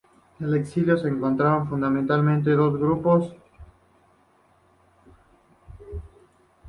En el exilio se encontraban fundamentalmente dos grupos opositores, croatas y macedonios.